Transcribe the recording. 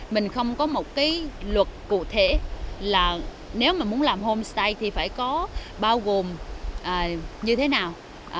mình không có một cái luật cụ thể là nếu mà muốn làm homestay thì phải có bao gồm như thế nào